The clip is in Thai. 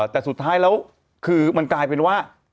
แต่สุดท้ายแล้วคือมันกลายเป็นว่า